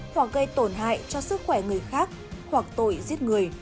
hoặc gây tổn hại cho sức khỏe người khác hoặc tội giết người